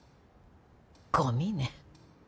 ごみね。